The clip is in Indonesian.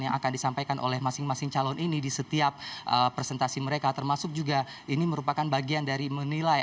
yang akan disampaikan oleh masing masing calon ini di setiap presentasi mereka termasuk juga ini merupakan bagian dari menilai